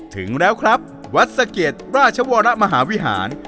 ถึงแล้วครับวัดสะเก็ดราชวรมหาวิหาร